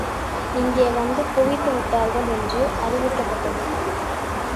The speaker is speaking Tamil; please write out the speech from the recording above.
இங்கே வந்து குவிந்து விட்டார்கள் என்று அறிவிக்கப்பட்டது.